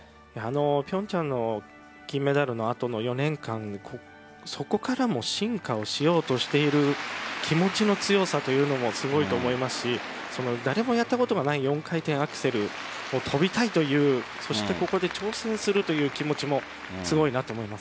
平昌の金メダルの後の４年間そこからも進化をしようとしている気持ちの強さもすごいと思いますし誰もやったことがない４回転アクセルを跳びたいというそしてここで挑戦する気持ちもすごいなと思います。